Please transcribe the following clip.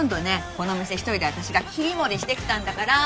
この店１人で私が切り盛りしてきたんだから。